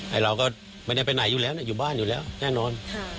เราก็ไม่ได้ไปไหนอยู่แล้วอยู่บ้านอยู่แล้วแน่นอน